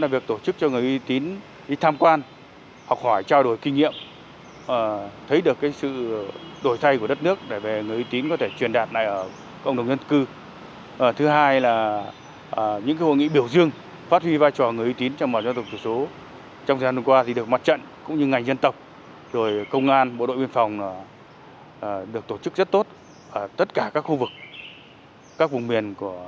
việc tổ chức hội nghị biểu dương phát huy vai chùa của người tín